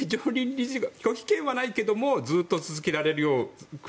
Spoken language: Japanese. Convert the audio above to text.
拒否権はないけれどもずっと続けられる国。